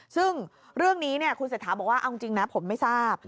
ซึ่งเรื่องนี้คุณเศรษฐาบอกว่าเอาจริงนะผมไม่ทราบ